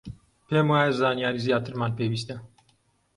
پێم وایە زانیاریی زیاترمان پێویستە.